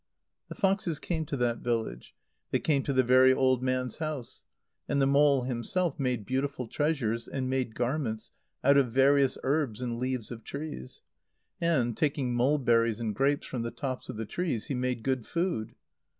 The foxes came to that village; they came to the very old man's house. And the mole himself made beautiful treasures and made garments out of various herbs and leaves of trees; and, taking mulberries and grapes from the tops of the trees, he made good food.